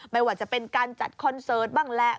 ไม่ว่าจะเป็นการจัดคอนเสิร์ตบ้างแหละ